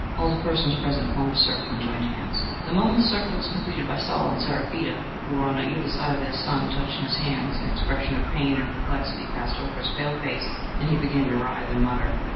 All the persons present formed a circle and joined hands. The moment the circle was completed by Saul and Seraphita, who were on either side of their son, touching his hands, an expression of pain and perplexity passed over his pale face, and he began to writhe and mutter.